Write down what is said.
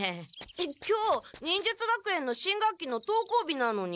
今日忍術学園の新学期の登校日なのに？